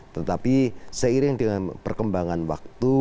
tetapi seiring dengan perkembangan waktu